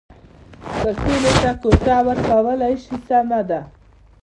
که ټولو ته کوټه ورکولای شي سمه ده.